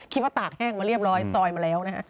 คิดว่าตากแห้งมาเรียบร้อยซอยมาแล้ว